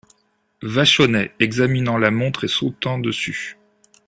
Vachonnet examinant la montre et sautant dessus.